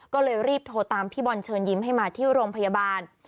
ก็เลยรีบโทรตามพี่บอลเชิญยิ้มให้มาที่โรงพยาบาล